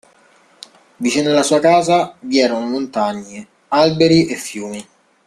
Vicino alla sua casa vi erano montagne, alberi e fiumi.